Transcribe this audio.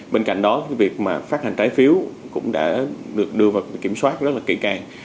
bên cạnh đó việc phát hành trái phiếu cũng đã được đưa vào kiểm soát rất là kỹ càng